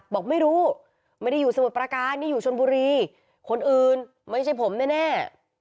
บอกไม่รู้ไม่ได้อยู่สมุทรประการนี่อยู่ชนบุรีคนอื่นไม่ใช่ผมแน่